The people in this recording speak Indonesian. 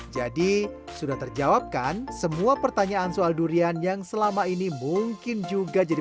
jadi sudah terjawabkan semua pertanyaan soal durian yang selama ini mungkin juga jadi